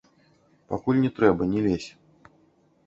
Пакуль не трэба, не лезь.